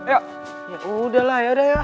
ya sudah lah ya